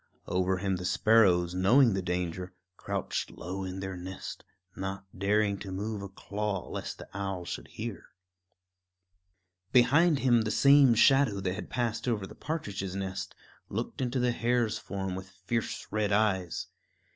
Over him the sparrows, knowing the danger, crouched low in their nest, not daring to move a claw lest the owl should hear. Behind him the same shadow that had passed over the partridge's nest looked into the hare's form with fierce red eyes.